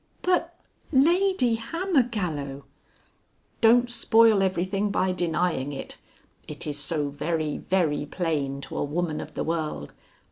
"But, Lady Hammergallow!" "Don't spoil everything by denying it. It is so very, very plain, to a woman of the world.